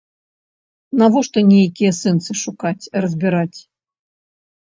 Навошта нейкія сэнсы шукаць, разбіраць?